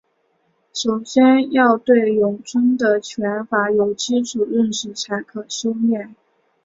首先要对咏春的拳法有基础认识才可修练。